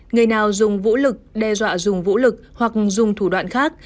người nào dùng vũ lực đe dọa dùng vũ lực hoặc dùng thủ đoạn khác